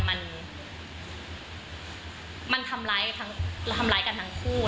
มันทำร้ายกันทั้งคู่